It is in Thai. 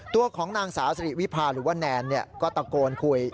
ตัวของนางสาวสิริวิพาหรือว่าแนนก็ตะโกนคุย